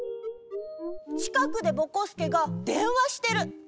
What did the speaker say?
ちかくでぼこすけがでんわしてる。